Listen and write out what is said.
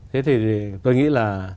thế thì tôi nghĩ là